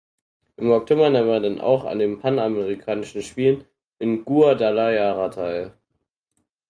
Im Oktober nahm er dann auch an den Panamerikanischen Spielen in Guadalajara teil.